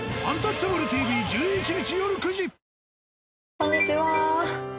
こんにちは。